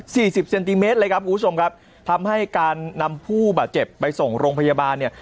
สิบเซนติเมตรเลยครับคุณผู้ชมครับทำให้การนำผู้บาดเจ็บไปส่งโรงพยาบาลเนี่ย